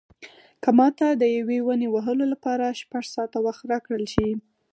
که ماته د یوې ونې وهلو لپاره شپږ ساعته وخت راکړل شي.